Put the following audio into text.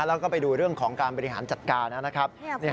แล้วก็ไปดูเรื่องของการบริหารจัดการนะครับ